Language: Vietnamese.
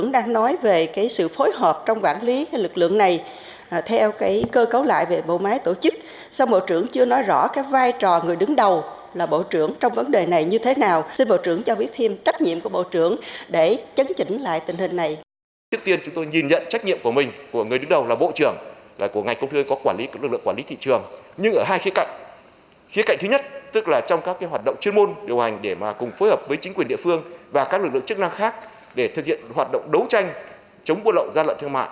động chuyên môn điều hành để cùng phối hợp với chính quyền địa phương và các lực lượng chức năng khác để thực hiện hoạt động đấu tranh chống buôn lậu gian lợi thương mại